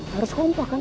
harus kompak kan